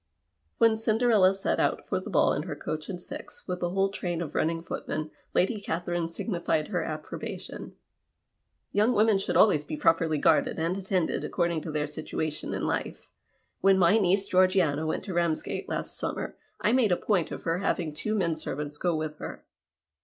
When Cinderella set out for the ball in her eoach and six with a whole train of running footmen Lady Catherine signified her approbation. " Yoimg women should always be properly guarded and attended, according to their situation in life. When my niece Georgiana went to Ramsgate last simimer, I made a point of her having two men servants go with her.